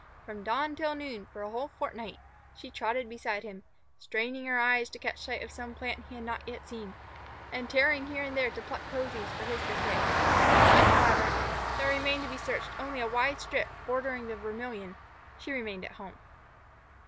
From dawn till noon, for a whole fortnight, she trotted beside him, straining her eyes to catch sight of some plant he had not yet seen, and tearing here and there to pluck posies for his bouquet. When, however, there remained to be searched only a wide strip bordering the Vermillion, she remained at home.